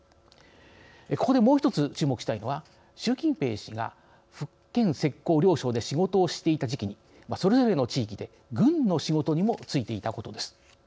ここでもう一つ注目したいのは習近平氏が福建・浙江両省で仕事をしていた時期にそれぞれの地域で軍の仕事にも就いていたことです。